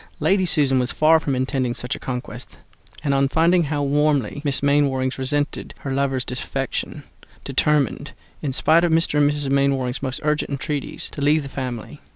Lady Susan was far from intending such a conquest, and on finding how warmly Miss Mainwaring resented her lover's defection, determined, in spite of Mr. and Mrs. Mainwaring's most urgent entreaties, to leave the family.